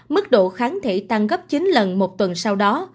mức độ kháng thể tăng gấp chín lần một tuần sau đó